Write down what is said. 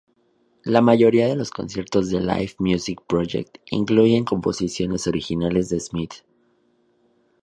La mayoría de los conciertos de Live Music Project incluyen composiciones originales de Smith.